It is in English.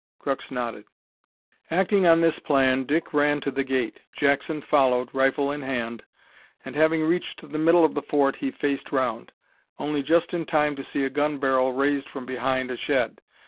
Crux nodded. Acting on this plan Dick ran to the gate; Jackson followed, rifle in hand, and, having reached the middle of the fort, he faced round; only just in time to see a gun barrel raised from behind a shed.